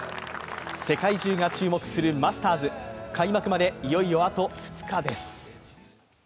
世界中が注目するマスターズ、開幕まで、いよいよあと２日です。